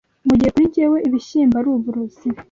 mu gihe kuri jyewe ibishyimbo ari uburozi